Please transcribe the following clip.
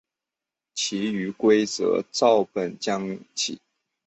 其余规则照本将棋。